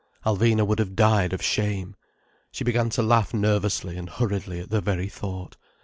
Alvina would have died of shame. She began to laugh nervously and hurriedly at the very thought.